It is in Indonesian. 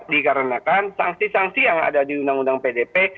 dikarenakan sanksi sanksi yang ada di undang undang pdp